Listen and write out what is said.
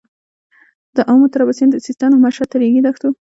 له امو تر اباسينه د سيستان او مشهد تر رېګي دښتو.